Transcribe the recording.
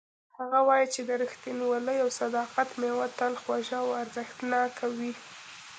هغه وایي چې د ریښتینولۍ او صداقت میوه تل خوږه او ارزښتناکه وي